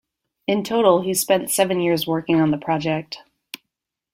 In total he spent seven years working on the project.